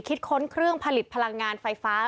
ค้นเครื่องผลิตพลังงานไฟฟ้า